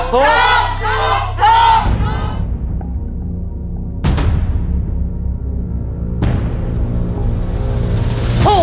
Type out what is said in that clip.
ถูกถูกถูก